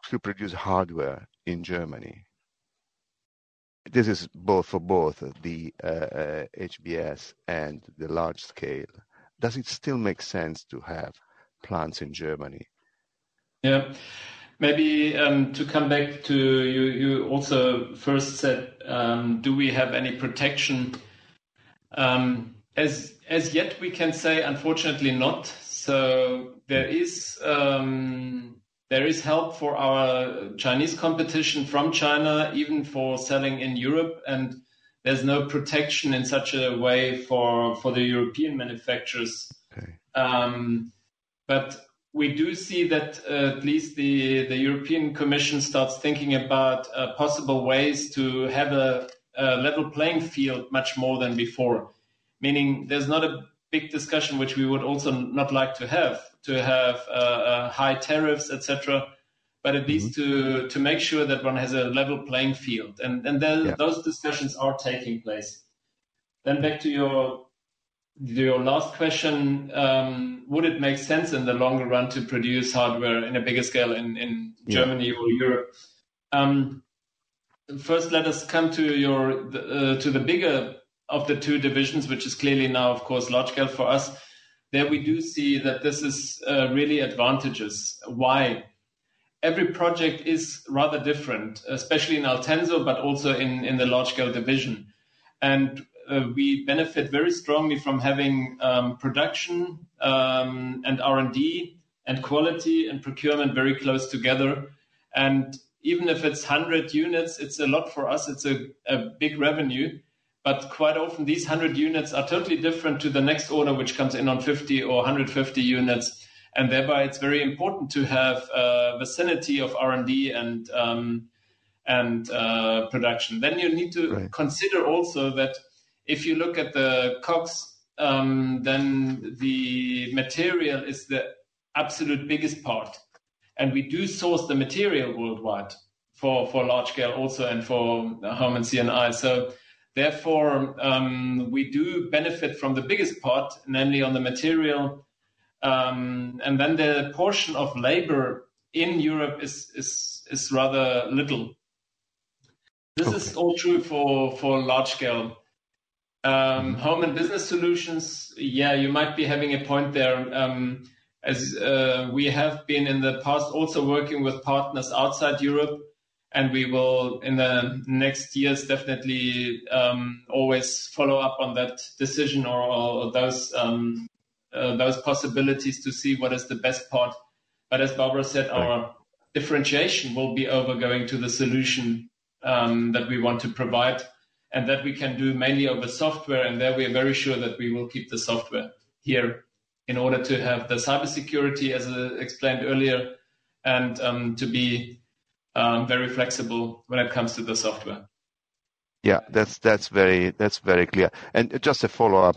produce hardware in Germany? This is for both the HBS and the Large Scale. Does it still make sense to have plants in Germany? Yeah. Maybe to come back to what you also first said, do we have any protection? As yet, we can say, unfortunately, not. There is help for our Chinese competition from China, even for selling in Europe. There is no protection in such a way for the European manufacturers. We do see that at least the European Commission starts thinking about possible ways to have a level playing field much more than before. Meaning there's not a big discussion which we would also not like to have, to have high tariffs, etc., but at least to make sure that one has a level playing field. Those discussions are taking place. Back to your last question, would it make sense in the longer run to produce hardware on a bigger scale in Germany or Europe? First, let us come to the bigger of the two divisions, which is clearly now, of course, Large Scale for us. There we do see that this is really advantageous. Why? Every project is rather different, especially in Altenso, but also in the Large Scale division. We benefit very strongly from having production and R&D and quality and procurement very close together. Even if it's 100 units, it's a lot for us. It's a big revenue. Quite often, these 100 units are totally different to the next order which comes in on 50 or 150 units. It is very important to have a vicinity of R&D and production. You need to consider also that if you look at the COGS, then the material is the absolute biggest part. We do source the material worldwide for Large Scale also and for Home and C&I. Therefore, we do benefit from the biggest part, namely on the material. The portion of labor in Europe is rather little. This is all true for Large Scale. Home and Business Solutions, yeah, you might be having a point there. We have been in the past also working with partners outside Europe. We will, in the next years, definitely always follow up on that decision or those possibilities to see what is the best part. As Barbara said, our differentiation will be over going to the solution that we want to provide. That we can do mainly over software. There we are very sure that we will keep the software here in order to have the cybersecurity, as I explained earlier, and to be very flexible when it comes to the software. Yeah. That is very clear. Just a follow-up.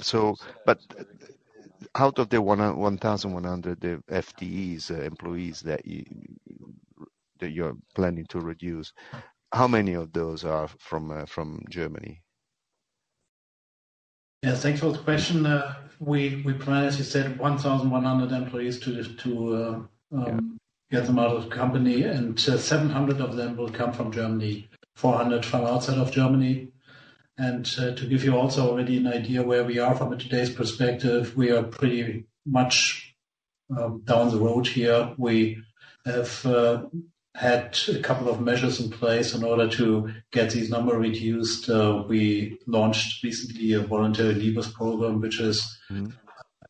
Out of the 1,100 FTEs, employees that you are planning to reduce, how many of those are from Germany? Yeah. Thanks for the question. We plan, as you said, 1,100 employees to get them out of the company. Seven hundred of them will come from Germany, 400 from outside of Germany. To give you also already an idea where we are from a today's perspective, we are pretty much down the road here. We have had a couple of measures in place in order to get these numbers reduced. We launched recently a voluntary leavers program, which is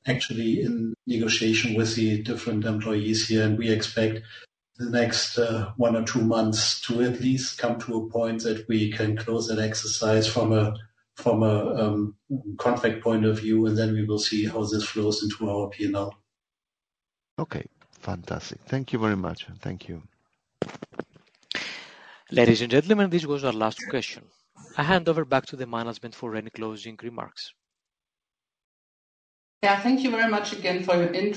actually in negotiation with the different employees here. We expect the next one or two months to at least come to a point that we can close that exercise from a contract point of view. We will see how this flows into our P&L. Okay. Fantastic. Thank you very much. Thank you. Ladies and gentlemen, this was our last question. I hand over back to the management for any closing remarks. Yeah. Thank you very much again for your.